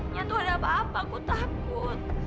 nya tuh ada apa apa aku takut